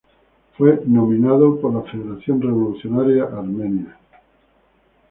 Fue nominado por la Federación Revolucionaria Armenia.